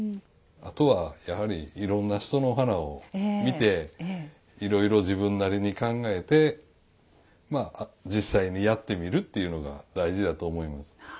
あとはやはりいろんな人の花を見ていろいろ自分なりに考えてまあ実際にやってみるっていうのが大事だと思います。